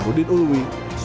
jangan lupa untuk berlangganan